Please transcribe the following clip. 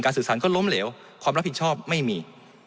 สื่อสารก็ล้มเหลวความรับผิดชอบไม่มี